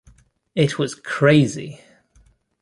It was crazy!